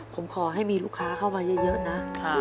ผมขอให้มีลูกค้าเข้ามาเยอะนะ